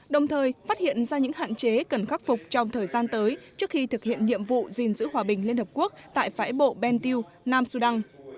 đồng thời phát hiện ra những hạn chế cần khắc phục trong thời gian tới trước khi thực hiện nhiệm vụ gìn giữ hòa bình liên hợp quốc tại phái bộ bentiu nam sudan